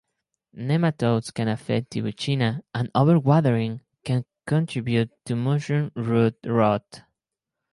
Nematodes can affect "Tibouchina" and over watering can contribute to mushroom root-rot.